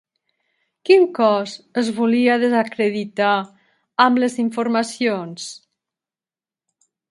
Quin cos es volia desacreditar amb les informacions?